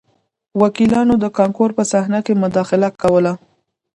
وکیلانو د کانکور په صحنه کې مداخله کوله